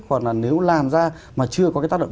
hoặc là nếu làm ra mà chưa có cái tác động